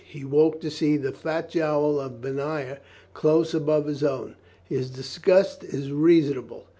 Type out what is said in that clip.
He woke to see the fat jowl of Benaiah close above his own. His disgust is reason able.